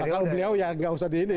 kalau beliau ya nggak usah di ini